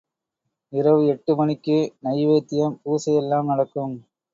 இரவு எட்டு மணிக்கு நைவேத்தியம் பூசை எல்லாம் நடக்கும்.